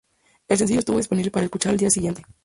El sencillo estuvo disponible para escuchar al día siguiente.